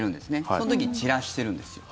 その時に散らしてるんですよ。